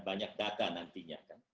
banyak data nantinya